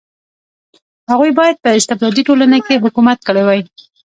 هغوی باید په استبدادي ټولنه کې حکومت کړی وای.